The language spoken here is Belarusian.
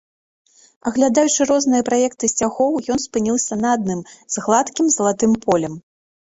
Аглядаючы розныя праекты сцягоў, ён спыніўся на адным з гладкім залатым полем.